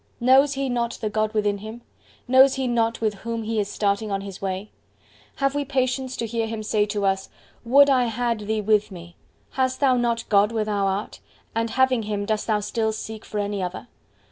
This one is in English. Knows he not the God within him; knows he not with whom he is starting on his way? Have we patience to hear him say to us, Would I had thee with me!—Hast thou not God where thou art, and having Him dost thou still seek for any other!